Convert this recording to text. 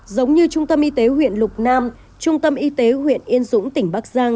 giống như trung tâm y tế huyện lục nam trung tâm y tế huyện yên dũng tỉnh bắc giang